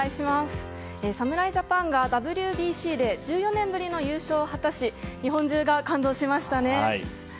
侍ジャパンがＷＢＣで１４年ぶりの優勝を果たし日本中が感動しましたね。